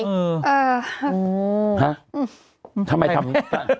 เออฮะทำไมทำได้